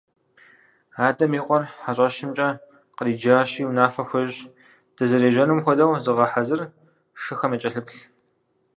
Адэм и къуэр хьэщӀэщымкӀэ къриджащи унафэ хуещӀ: – Дызэрежьэнум хуэдэу зыгъэхьэзыр, шыхэм якӀэлъыплъ.